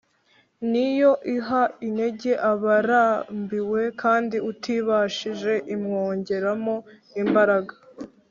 ni yo iha intege abarambiwe, kandi utibashije imwongeramo imbaraga